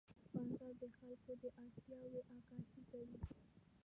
بازار د خلکو د اړتیاوو عکاسي کوي.